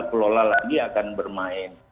dan kita tidak akan lola lagi akan bermain